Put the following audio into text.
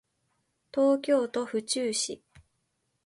東京都府中市